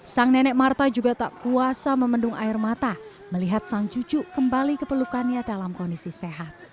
sang nenek marta juga tak kuasa memendung air mata melihat sang cucu kembali ke pelukannya dalam kondisi sehat